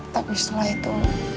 tapi setelah itu